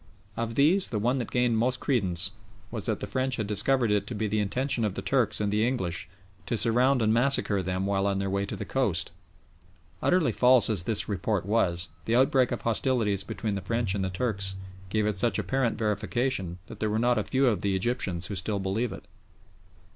Of these the one that gained most credence was that the French had discovered it to be the intention of the Turks and the English to surround and massacre them while on their way to the coast. Utterly false as this report was, the outbreak of hostilities between the French and the Turks gave it such apparent verification, that there are not a few of the Egyptians who still believe it.